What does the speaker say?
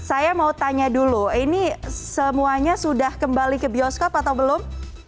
saya mau tanya dulu ini semuanya sudah kembali ke bioskop atau belum